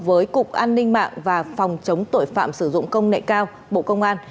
với cục an ninh mạng và phòng chống tội phạm sử dụng công nghệ cao bộ công an